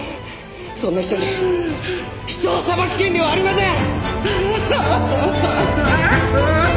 そんな人に人を裁く権利はありません！